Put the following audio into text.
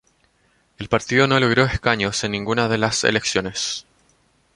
El partido no logró escaños en ninguna de las elecciones.